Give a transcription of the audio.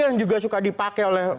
yang juga suka dipakai oleh